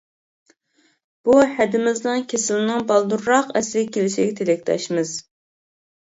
بۇ ھەدىمىزنىڭ كېسىلىنىڭ بالدۇرراق ئەسلىگە كېلىشىگە تىلەكداشمىز!